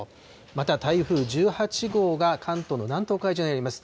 また台風１８号が関東の南東海上にあります。